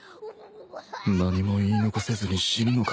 何も言い残せずに死ぬのか？